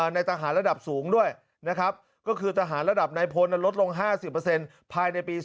ในตระหาธรรมระดับสูงด้วยนะครับก็คือตระหาธรรมระดับไหนพ้นลดลง๕๐ภายในปี